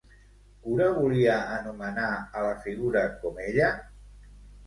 Cura volia anomenar a la figura com ella?